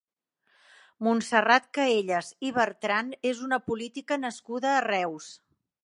Montserrat Caelles i Bertran és una política nascuda a Reus.